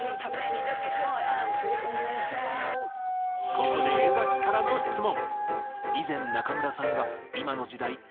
ここで江からの質問。